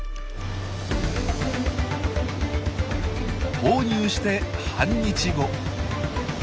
投入して半日後。